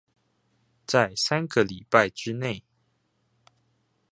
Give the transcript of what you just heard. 在三個禮拜之內